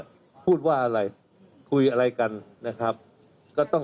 พูดว่าอะไรคุยอะไรกันนะครับก็ต้อง